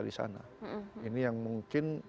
di sana ini yang mungkin